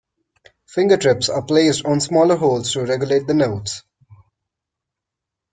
Finger tips are placed on smaller holes to regulate the notes.